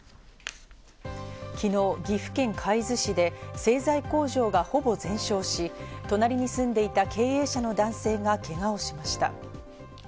昨日、岐阜県海津市で製材工場がほぼ全焼し、隣りに住んでいた経営者の男性がけがをしました。